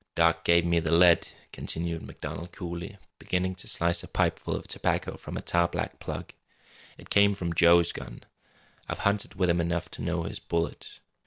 "Doc gave me the lead," continued MacDonald coolly, beginning to slice a pipeful of tobacco from a tar black plug. "It come from Joe's gun. I've hunted with him enough to know his bullet.